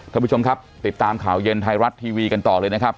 ท่านผู้ชมครับติดตามข่าวเย็นไทยรัฐทีวีกันต่อเลยนะครับ